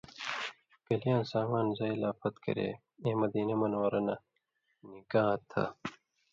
کلیۡیاں سامان زئ لا پھت کرے اېں مدینہ منوّرہ نہ نِکا تھہ؛